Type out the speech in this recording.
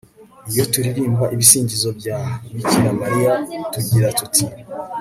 iyo turirimba ibisingizo bya bikira mariya tugira tuti